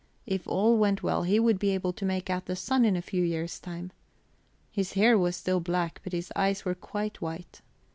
If all went well he would be able to make out the sun in a few years' time. His hair was still black, but his eyes were quite white.